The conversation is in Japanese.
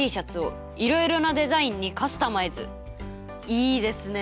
いいですね。